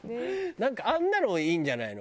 なんかあんなのいいんじゃないの？